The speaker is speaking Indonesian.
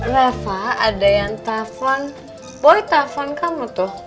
reva ada yang telfon boy telfon kamu tuh